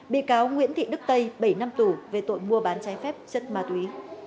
bị cáo nguyễn thị đức tây bảy năm tù về tội mua bán trái phép chất ma túy